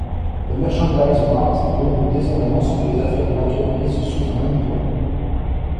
Le Merchandise Mart regroupe désormais l'ensemble des affaires de l'entreprise sous un même toit.